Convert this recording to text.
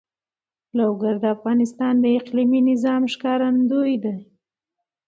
لوگر د افغانستان د اقلیمي نظام ښکارندوی ده.